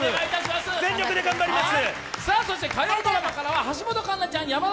全力で頑張ります！